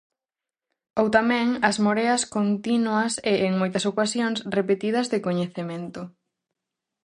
Ou tamén: as moreas continuas e, en moitas ocasións, repetidas de coñecemento.